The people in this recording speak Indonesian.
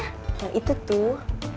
yang itu tuh